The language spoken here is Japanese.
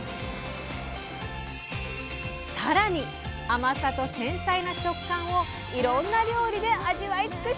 さらに甘さと繊細な食感をいろんな料理で味わいつくしたい！